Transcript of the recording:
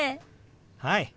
はい！